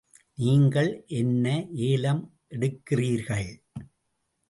நீங்கள் என்ன ஏலம் எடுக்கிறீர்கள்?